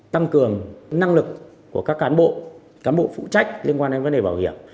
tăng cường năng lực của các cán bộ cán bộ phụ trách liên quan đến vấn đề bảo hiểm